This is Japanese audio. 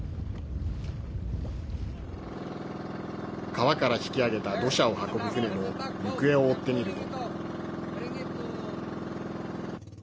川から引き上げた土砂を運ぶ船の行方を追ってみると。